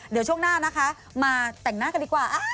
เดี๋ยวช่วงหน้านะคะมาแต่งหน้ากันดีกว่า